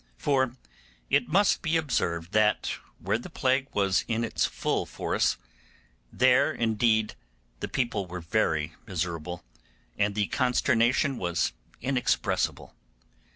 For it must be observed that where the plague was in its full force, there indeed the people were very miserable, and the consternation was inexpressible.